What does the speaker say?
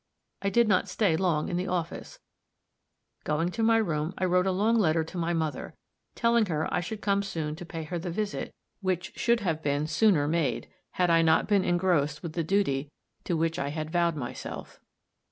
I did not stay long in the office; going to my room, I wrote a long letter to my mother, telling her I should come soon to pay her the visit which should have been sooner made had I not been engrossed with the duty to which I had vowed myself.